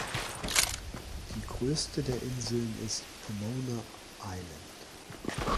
Die größte der Inseln ist "Pomona Island".